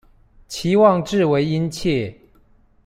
期望至為殷切